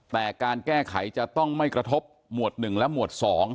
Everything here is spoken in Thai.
แต่การแก้ไขจะต้องไม่กระทบหมวด๑และหมวด๒